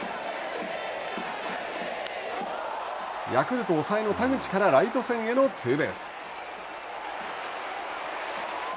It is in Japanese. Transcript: ヤクルト抑えの田口からライト線へのツーベース。